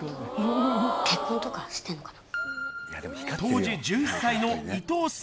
結婚とかしてんのかな？